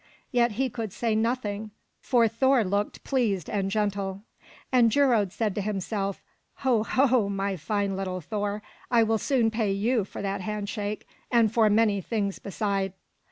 Yet he could say nothing, for Thor looked pleased and gentle. And Geirröd said to himself, "Ho, ho, my fine little Thor! I will soon pay you for that handshake, and for many things beside."